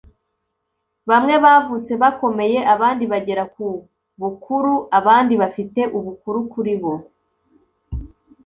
bamwe bavutse bakomeye, abandi bagera ku bukuru, abandi bafite ubukuru kuri bo